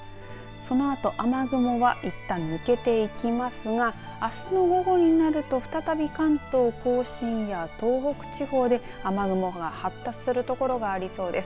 そのあと雨雲はいったん抜けていきますがあすの午後になると再び、関東甲信や東北地方で雨雲が発達するところがありそうです。